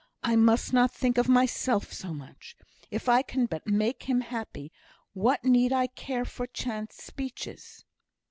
I must not think of myself so much. If I can but make him happy, what need I care for chance speeches?"